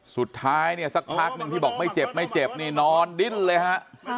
สุดท้ายเนี่ยสักพักหนึ่งที่บอกไม่เจ็บไม่เจ็บนี่นอนดิ้นเลยฮะ